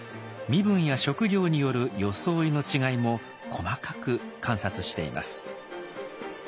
身分や職業による装いの違いも細かく観察しています。